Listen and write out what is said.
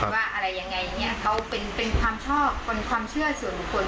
ว่าอะไรอย่างนี้เขาเป็นความชอบความเชื่อส่วนคน